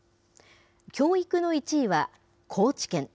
教育の１位は高知県。